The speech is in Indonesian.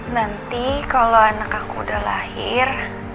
nanti kalau anak aku udah lahir